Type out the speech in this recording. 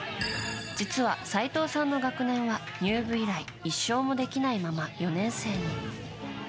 実は齋藤さんの学年は入部以来１勝もできないまま４年生に。